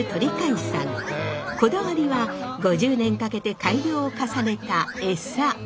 こだわりは５０年かけて改良を重ねた餌。